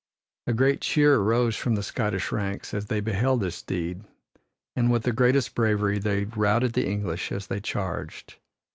A great cheer rose from the Scottish ranks as they beheld this deed, and with the greatest bravery they routed the English as they charged.